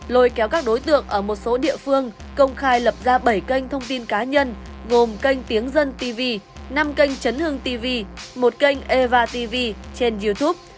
lôi kéo các đối tượng ở một số địa phương công khai lập ra bảy kênh thông tin cá nhân gồm kênh tiếng dân tv năm kênh chấn hương tv một kênh eva tv trên youtube